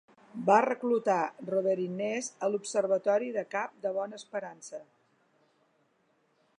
Va reclutar Robert Innes a l'Observatori de Cap de Bona Esperança.